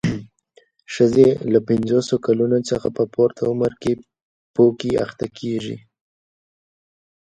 ښځې له پنځوسو کلونو څخه په پورته عمر کې پوکي اخته کېږي.